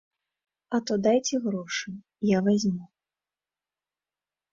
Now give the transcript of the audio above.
А то дайце грошы, я вазьму!